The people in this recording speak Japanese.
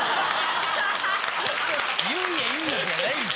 「言いや言いや」じゃないんすよ。